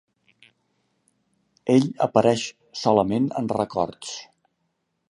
Ell apareix solament en records.